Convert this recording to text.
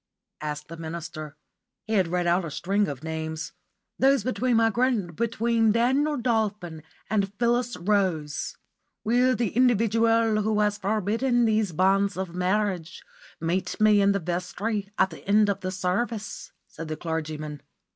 asked the minister. He had read out a string of names. "Those between my grand between Daniel Dolphin and Phyllis Rose." "Will the individual who has forbidden these banns of marriage meet me in the vestry at the end of the service?" said the clergyman.